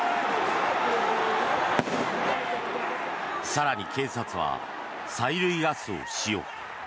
更に警察は催涙ガスを使用。